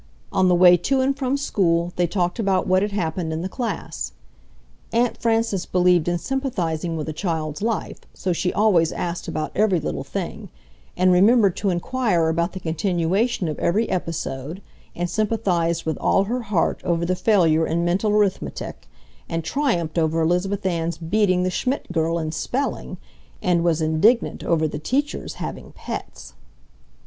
On the way to and from school they talked about what had happened in the class. Aunt Frances believed in sympathizing with a child's life, so she always asked about every little thing, and remembered to inquire about the continuation of every episode, and sympathized with all her heart over the failure in mental arithmetic, and triumphed over Elizabeth Ann's beating the Schmidt girl in spelling, and was indignant over the teacher's having pets.